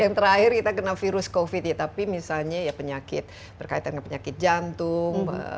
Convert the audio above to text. yang terakhir kita kena virus covid ya tapi misalnya ya penyakit berkaitan dengan penyakit jantung